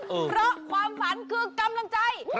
เพราะความฝันคือกำลังใจ